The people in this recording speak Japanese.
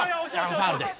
ファウルです」